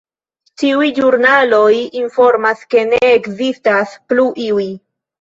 Ĉiuj ĵurnaloj informas, ke ne ekzistas plu iuj!